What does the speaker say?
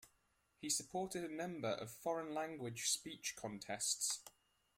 He supported a number of foreign language speech contests.